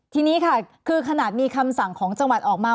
ทีนี้ค่ะคือขนาดมีคำสั่งของจังหวัดออกมา